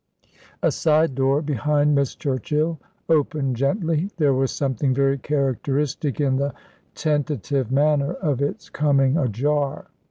A side door, behind Miss Churchill, opened gently. There was something very characteristic in the tentative manner of its coming ajar.